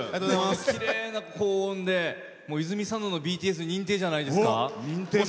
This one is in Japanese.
きれいな高音で泉佐野のＢＴＳ認定じゃないですか。